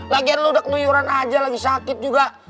lagian lo udah kenuyuran aja lagi sakit juga